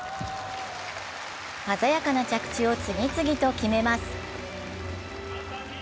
鮮やかな着地を次々と決めます。